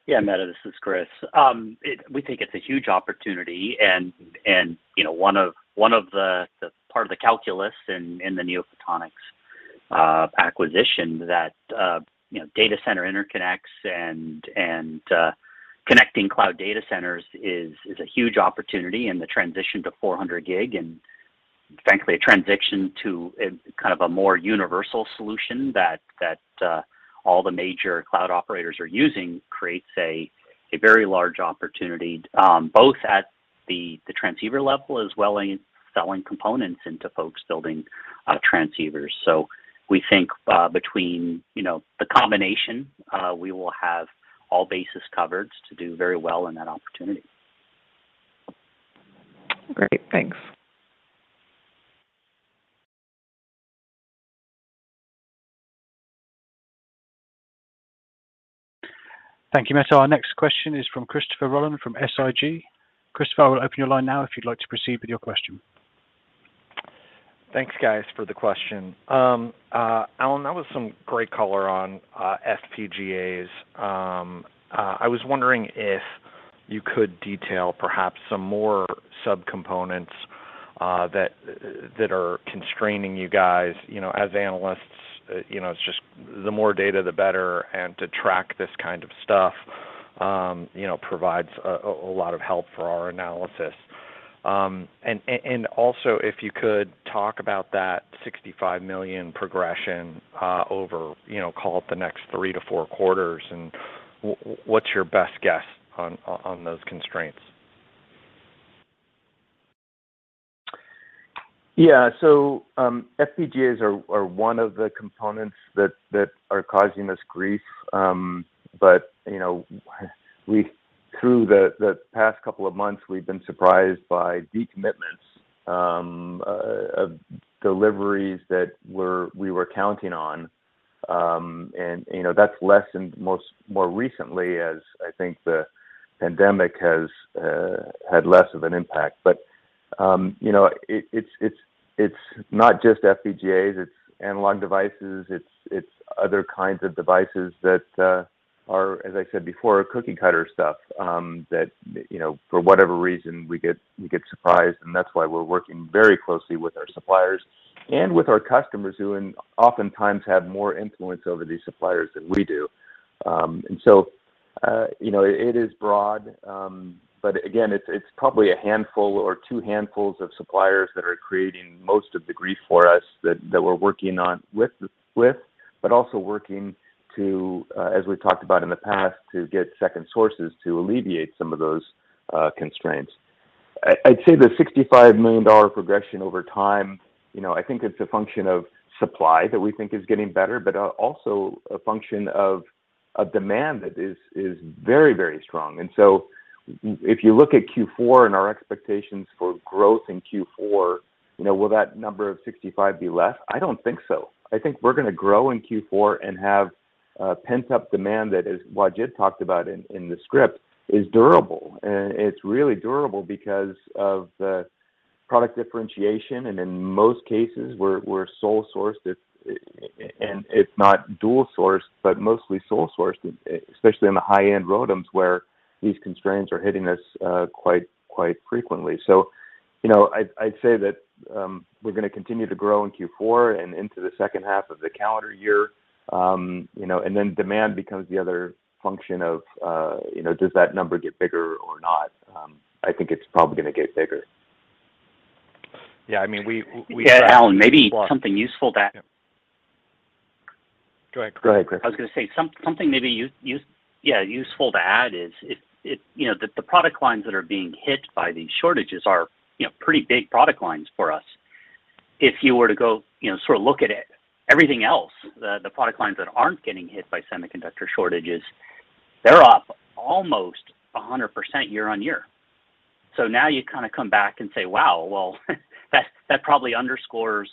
Yeah, Meta, this is Chris. We think it's a huge opportunity and, you know, one of the part of the calculus in the NeoPhotonics acquisition that, you know, data center interconnects and connecting cloud data centers is a huge opportunity and the transition to 400 gig, and frankly a transition to a kind of a more universal solution that all the major cloud operators are using creates a very large opportunity, both at the transceiver level as well as selling components into folks building transceivers. We think between, you know, the combination, we will have all bases covered to do very well in that opportunity. Great. Thanks. Thank you, Meta. Our next question is from Christopher Rolland from SIG. Christopher, I will open your line now if you'd like to proceed with your question. Thanks, guys, for the question. Alan, that was some great color on FPGAs. I was wondering if you could detail perhaps some more subcomponents that are constraining you guys. You know, as analysts, you know, it's just the more data, the better, and to track this kind of stuff, you know, provides a lot of help for our analysis. And also if you could talk about that $65 million progression over, you know, call it the next three to four quarters, and what's your best guess on those constraints? Yeah. FPGAs are one of the components that are causing us grief. You know, through the past couple of months, we've been surprised by decommitments of deliveries that we were counting on. You know, that's lessened more recently as I think the pandemic has had less of an impact. You know, it's not just FPGAs, it's analog devices, it's other kinds of devices that are, as I said before, cookie cutter stuff that, you know, for whatever reason we get surprised. That's why we're working very closely with our suppliers and with our customers who oftentimes have more influence over these suppliers than we do. You know, it is broad. Again, it's probably a handful or two handfuls of suppliers that are creating most of the grief for us that we're working on with, but also working to, as we talked about in the past, to get second sources to alleviate some of those constraints. I'd say the $65 million progression over time, you know, I think it's a function of supply that we think is getting better, but also a function of a demand that is very, very strong. If you look at Q4 and our expectations for growth in Q4, you know, will that number of $65 million be less? I don't think so. I think we're gonna grow in Q4 and have pent-up demand that, as Wajid talked about in the script, is durable. It's really durable because of the product differentiation, and in most cases we're sole sourced. It's not dual sourced, but mostly sole sourced, especially in the high-end ROADMs where these constraints are hitting us quite frequently. You know, I'd say that we're gonna continue to grow in Q4 and into the second half of the calendar year. You know, and then demand becomes the other function of, you know, does that number get bigger or not? I think it's probably gonna get bigger. Yeah, I mean, we Yeah, Alan, maybe something useful. Go ahead. Go ahead, Chris. I was gonna say something useful to add, yeah. It you know the product lines that are being hit by these shortages are you know pretty big product lines for us. If you were to go you know sort of look at everything else the product lines that aren't getting hit by semiconductor shortages they're up almost 100% YoY. Now you kinda come back and say, "Wow, well that probably underscores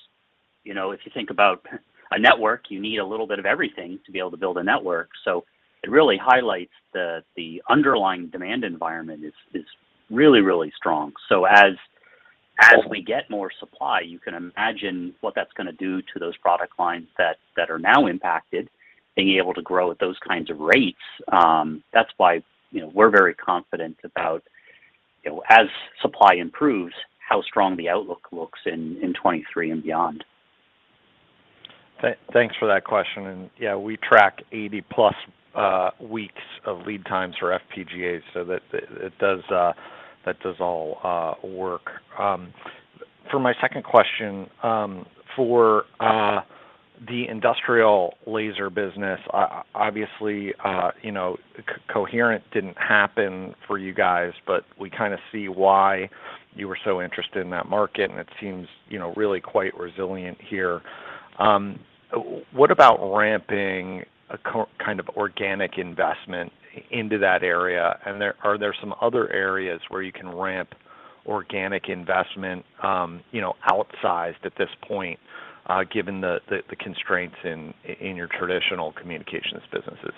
you know if you think about a network you need a little bit of everything to be able to build a network." It really highlights the underlying demand environment is really strong. As we get more supply, you can imagine what that's gonna do to those product lines that are now impacted, being able to grow at those kinds of rates. That's why, you know, we're very confident about, you know, as supply improves, how strong the outlook looks in 2023 and beyond. Thanks for that question. Yeah, we track +80 weeks of lead times for FPGAs so that it does all work. For my second question, for the industrial laser business, obviously, you know, Coherent didn't happen for you guys, but we kinda see why you were so interested in that market, and it seems, you know, really quite resilient here. What about ramping a kind of organic investment into that area? Are there some other areas where you can ramp organic investment, you know, outsized at this point, given the constraints in your traditional communications businesses?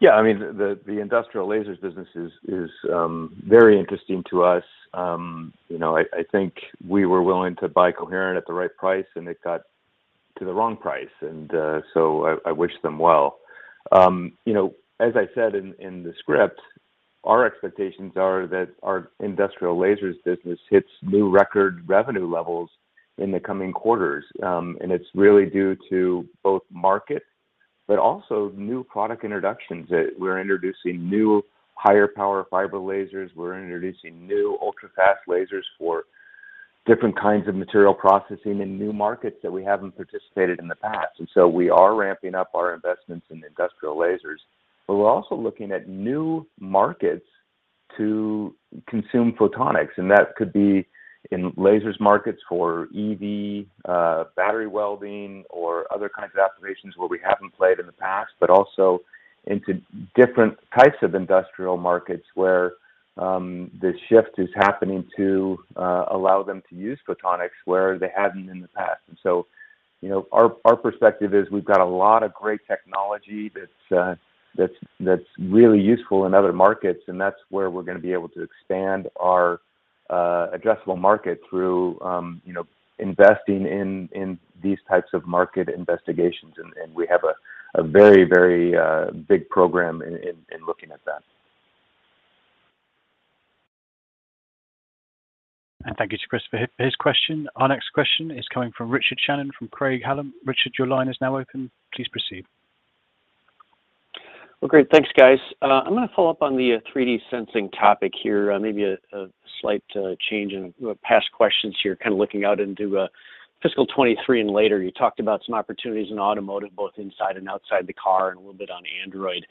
Yeah. I mean, the industrial lasers business is very interesting to us. You know, I think we were willing to buy Coherent at the right price, and it got to the wrong price. I wish them well. You know, as I said in the script, our expectations are that our industrial lasers business hits new record revenue levels in the coming quarters. It's really due to both market, but also new product introductions that we're introducing new higher power fiber lasers. We're introducing new ultrafast lasers for different kinds of material processing in new markets that we haven't participated in the past. We are ramping up our investments in industrial lasers, but we're also looking at new markets to consume photonics, and that could be in lasers markets for EV battery welding or other kinds of applications where we haven't played in the past, but also into different types of industrial markets where the shift is happening to allow them to use photonics where they hadn't in the past. You know, our perspective is we've got a lot of great technology that's really useful in other markets, and that's where we're gonna be able to expand our addressable market through you know, investing in these types of market investigations. We have a very big program in looking at that. Thank you to Christopher for his question. Our next question is coming from Richard Shannon from Craig-Hallum. Richard, your line is now open. Please proceed. Well, great. Thanks, guys. I'm gonna follow up on the 3D sensing topic here. Maybe a slight change in past questions here, kind of looking out into fiscal 2023 and later. You talked about some opportunities in automotive, both inside and outside the car and a little bit on Android.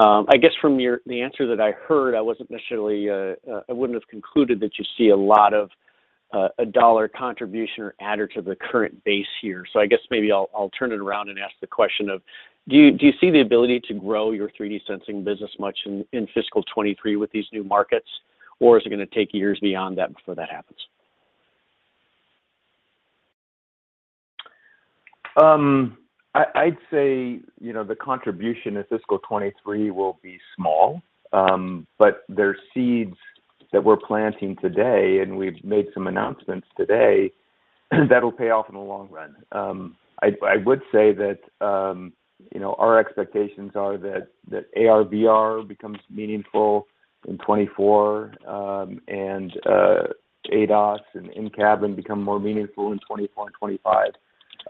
I guess from the answer that I heard, I wasn't necessarily. I wouldn't have concluded that you see a lot of a dollar contribution or adder to the current base here. I guess maybe I'll turn it around and ask the question of, do you see the ability to grow your 3D sensing business much in fiscal 2023 with these new markets, or is it gonna take years beyond that before that happens? I'd say, you know, the contribution in fiscal 2023 will be small. There are seeds that we're planting today, and we've made some announcements today that'll pay off in the long run. I would say that, you know, our expectations are that AR/VR becomes meaningful in 2024, and ADAS and in-cabin become more meaningful in 2024 and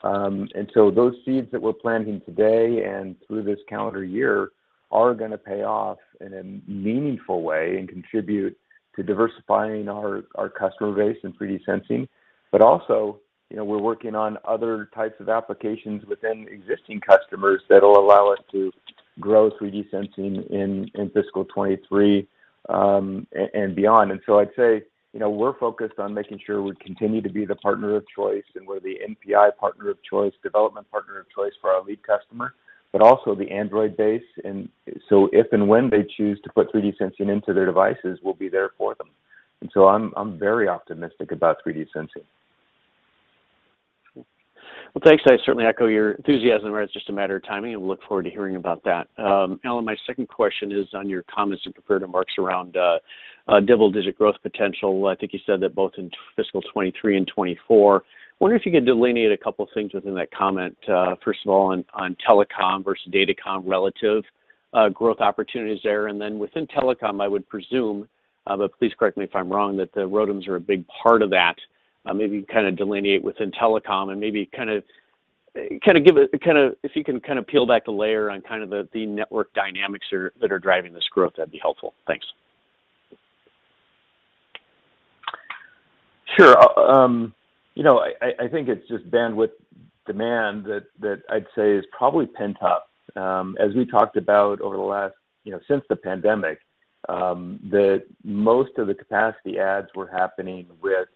2025. Those seeds that we're planting today and through this calendar year are gonna pay off in a meaningful way and contribute to diversifying our customer base in 3D sensing. Also, you know, we're working on other types of applications within existing customers that'll allow us to grow 3D sensing in fiscal 2023 and beyond. I'd say, you know, we're focused on making sure we continue to be the partner of choice, and we're the NPI partner of choice, development partner of choice for our lead customer, but also the Android base. If and when they choose to put 3D sensing into their devices, we'll be there for them. I'm very optimistic about 3D sensing. Well, thanks. I certainly echo your enthusiasm where it's just a matter of timing, and look forward to hearing about that. Alan, my second question is on your comments in prepared remarks around double-digit growth potential. I think you said that both in fiscal 2023 and 2024. Wondering if you could delineate a couple of things within that comment, first of all on telecom versus datacom relative growth opportunities there. Within telecom, I would presume, but please correct me if I'm wrong, that the ROADMs are a big part of that. Maybe delineate within telecom and maybe give—if you can peel back the layer on the network dynamics that are driving this growth, that'd be helpful. Thanks. Sure. You know, I think it's just bandwidth demand that I'd say is probably pent up. As we talked about over the last, you know, since the pandemic, that most of the capacity adds were happening with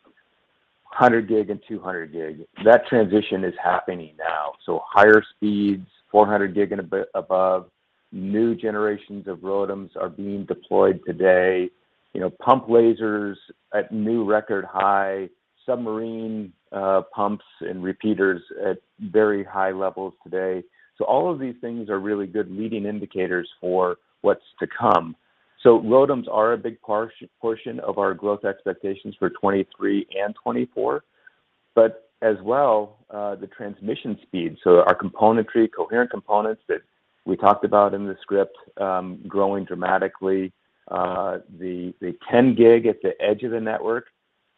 100 gig and 200 gig. That transition is happening now. Higher speeds, 400 gig and above, new generations of ROADMs are being deployed today. You know, pump lasers at new record high. Submarine pumps and repeaters at very high levels today. All of these things are really good leading indicators for what's to come. ROADMs are a big portion of our growth expectations for 2023 and 2024. As well, the transmission speed. Our componentry, coherent components that we talked about in the script, growing dramatically. The 10G at the edge of the network,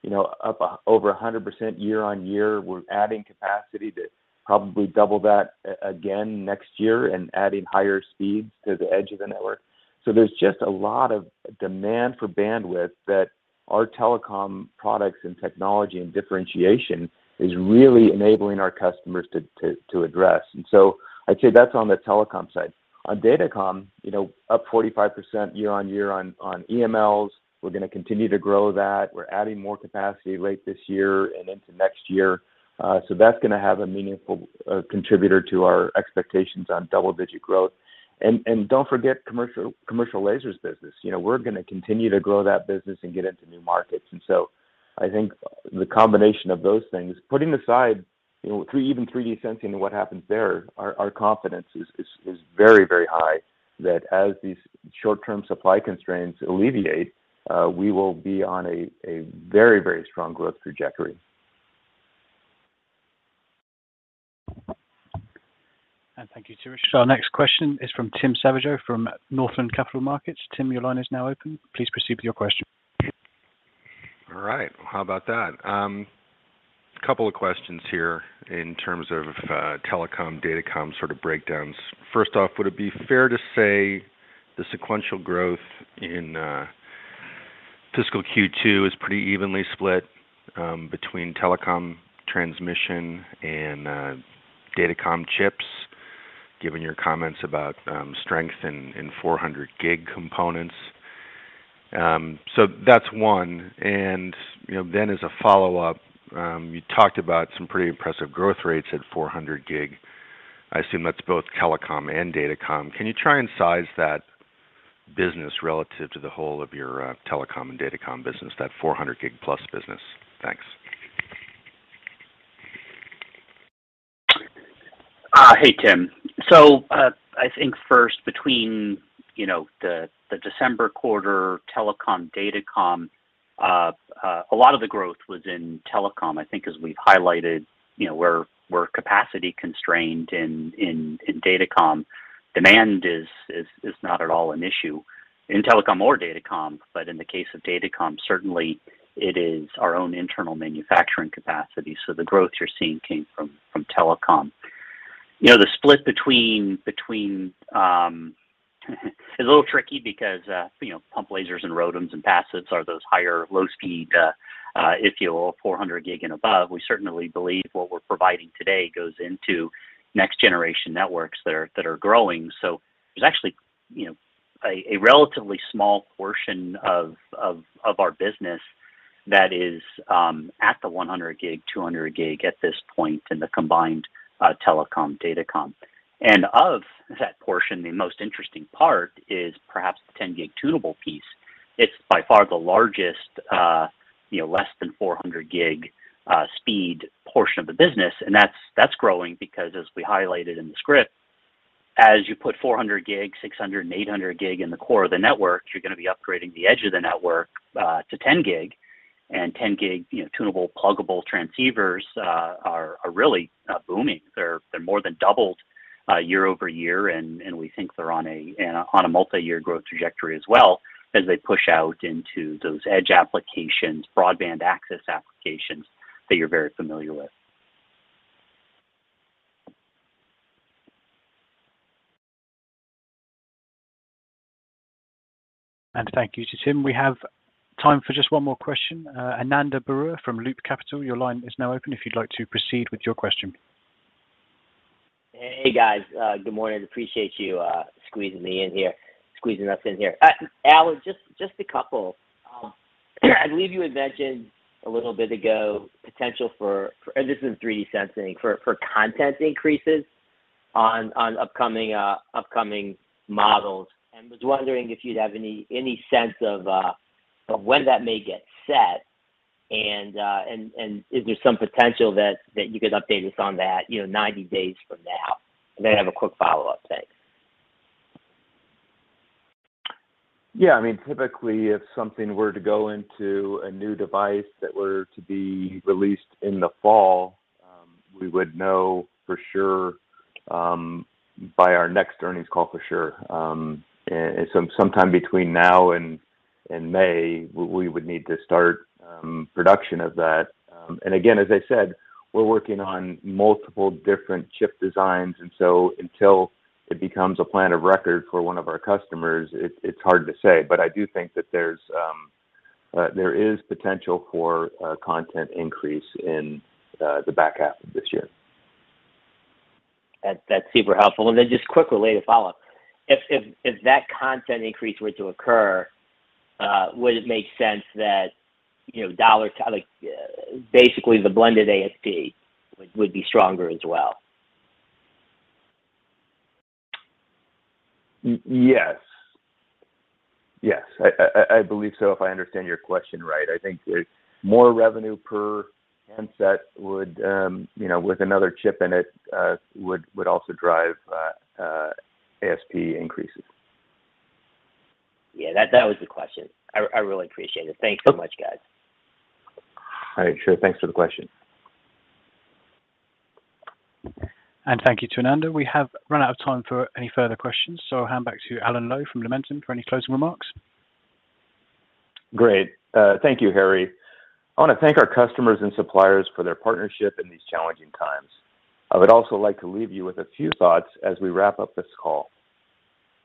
you know, up over 100% YoY. We're adding capacity to probably double that again next year and adding higher speeds to the edge of the network. There's just a lot of demand for bandwidth that our telecom products and technology and differentiation is really enabling our customers to address. I'd say that's on the telecom side. On datacom, you know, up 45% YoY on EMLs. We're gonna continue to grow that. We're adding more capacity late this year and into next year, so that's gonna have a meaningful contributor to our expectations on double-digit growth. Don't forget commercial lasers business. You know, we're gonna continue to grow that business and get into new markets. I think the combination of those things, putting aside, you know, 3D sensing and what happens there, our confidence is very, very high that as these short-term supply constraints alleviate, we will be on a very, very strong growth trajectory. Thank you to Richard. Our next question is from Tim Savageau from Northland Capital Markets. Tim, your line is now open. Please proceed with your question. All right. How about that? Couple of questions here in terms of telecom, datacom sort of breakdowns. First off, would it be fair to say the sequential growth in fiscal Q2 is pretty evenly split between telecom transmission and datacom chips, given your comments about strength in 400 gig components? So that's one. You know, then as a follow-up, you talked about some pretty impressive growth rates at 400 gig. I assume that's both telecom and datacom. Can you try and size that business relative to the whole of your telecom and datacom business, that +400 gig business? Thanks. Hey, Tim. I think first between, you know, the December quarter telecom, datacom, a lot of the growth was in telecom. I think as we've highlighted, you know, we're capacity constrained in datacom. Demand is not at all an issue in telecom or datacom. But in the case of datacom, certainly it is our own internal manufacturing capacity, so the growth you're seeing came from telecom. You know, the split between is a little tricky because, you know, pump lasers and ROADMs and passives are those higher low-speed, if you will, 400 gig and above. We certainly believe what we're providing today goes into next-generation networks that are growing. There's actually, you know, a relatively small portion of our business that is at the 100G, 200G at this point in the combined telecom, datacom. And of that portion, the most interesting part is perhaps the 10G tunable piece. It's by far the largest, you know, less than 400G speed portion of the business, and that's growing because as we highlighted in the script, as you put 400G, 600G and 800G in the core of the networks, you're gonna be upgrading the edge of the network to 10G. And 10G, you know, tunable pluggable transceivers are really booming. They're more than doubled YoY, and we think they're on a multiyear growth trajectory as well as they push out into those edge applications, broadband access applications that you're very familiar with. Thank you to Tim. We have time for just one more question. Ananda Baruah from Loop Capital, your line is now open if you'd like to proceed with your question. Hey, guys. Good morning. Appreciate you squeezing us in here. Alan, just a couple. I believe you had mentioned a little bit ago potential for 3D sensing for content increases on upcoming models, and was wondering if you'd have any sense of when that may get set, and is there some potential that you could update us on that, you know, 90 days from now? I have a quick follow-up. Thanks. Yeah. I mean, typically, if something were to go into a new device that were to be released in the fall, we would know for sure by our next earnings call for sure. Sometime between now and May, we would need to start production of that. And again, as I said, we're working on multiple different chip designs. Until it becomes a plan of record for one of our customers, it's hard to say. But I do think that there is potential for a content increase in the back half of this year. That's super helpful. Just quickly a follow-up. If that content increase were to occur, would it make sense that, you know, dollar to like, basically the blended ASP would be stronger as well? Yes. I believe so, if I understand your question right. I think that more revenue per handset would, you know, with another chip in it, also drive ASP increases. Yeah, that was the question. I really appreciate it. Thanks so much, guys. All right. Sure. Thanks for the question. Thank you to Ananda. We have run out of time for any further questions, so I'll hand back to Alan Lowe from Lumentum for any closing remarks. Great. Thank you, Harry. I wanna thank our customers and suppliers for their partnership in these challenging times. I would also like to leave you with a few thoughts as we wrap up this call.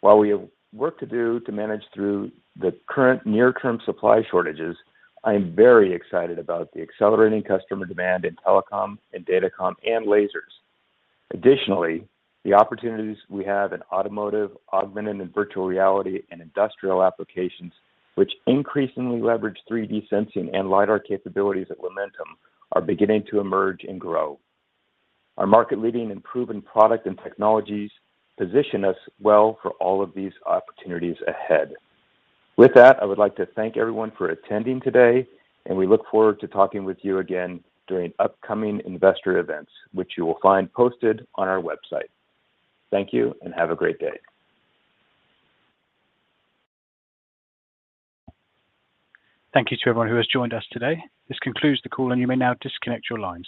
While we have work to do to manage through the current near-term supply shortages, I am very excited about the accelerating customer demand in telecom and datacom and lasers. Additionally, the opportunities we have in automotive, augmented and virtual reality and industrial applications, which increasingly leverage 3D sensing and LiDAR capabilities at Lumentum, are beginning to emerge and grow. Our market-leading and proven product and technologies position us well for all of these opportunities ahead. With that, I would like to thank everyone for attending today, and we look forward to talking with you again during upcoming investor events, which you will find posted on our website. Thank you, and have a great day. Thank you to everyone who has joined us today. This concludes the call, and you may now disconnect your lines.